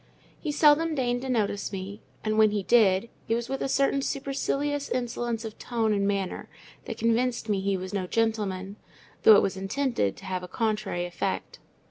He seldom deigned to notice me; and, when he did, it was with a certain supercilious insolence of tone and manner that convinced me he was no gentleman: though it was intended to have a contrary effect.